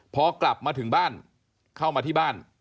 พอกลับมาถึงบ้านเข้ามาที่บ้าน